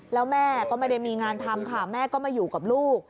แล้วแม่ก็ไม่ได้มีงานทำค่ะแม่ก็มาอยู่กับลูก